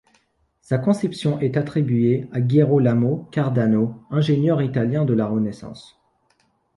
Sa conception est attribuée à Girolamo Cardano, ingénieur italien de la Renaissance.